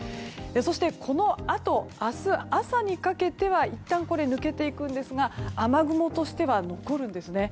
そしてこのあと明日朝にかけてはいったん、抜けていくんですが雨雲としては残るんですね。